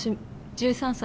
１３歳？